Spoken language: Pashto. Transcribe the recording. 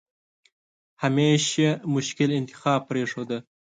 همېش یې مشکل انتخاب پرېښوده.